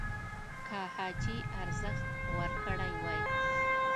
که حاجي ارزښت ورکړی وای